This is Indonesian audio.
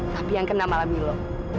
tapi yang kena malah milo